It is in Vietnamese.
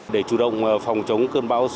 để chủ động phòng chống cơn bão số ba